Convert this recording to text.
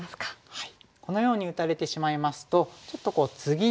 はい。